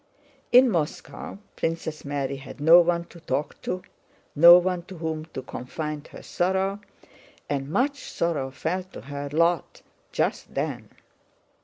In Moscow Princess Mary had no one to talk to, no one to whom to confide her sorrow, and much sorrow fell to her lot just then.